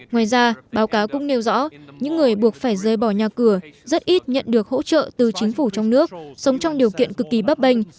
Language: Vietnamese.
ngoài ra báo cáo cũng nêu rõ những người buộc phải rơi bỏ nhà cửa rất ít nhận được hỗ trợ từ chính phủ trong nước sống trong điều kiện cực kỳ bấp bênh